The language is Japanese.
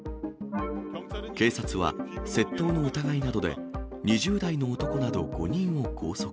警察は窃盗の疑いなどで、２０代の男など５人を拘束。